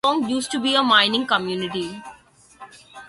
Ludworth used to be a mining community.